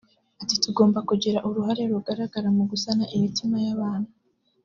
Ati “Tugomba kugira uruhare rugaragara mu gusana imitima y’abantu